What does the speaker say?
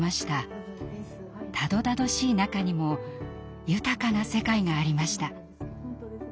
たどたどしい中にも豊かな世界がありました。